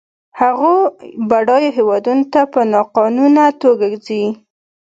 هغوی بډایو هېوادونو ته په ناقانونه توګه ځي.